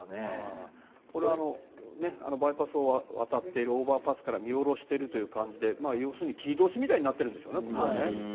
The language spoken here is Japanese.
バイパスを渡っているオーバーパスから見下ろしている感じで要するに切り通しみたいになってるんでしょうね、ここは。